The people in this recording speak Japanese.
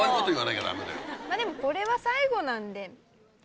まぁでもこれは最後なんで。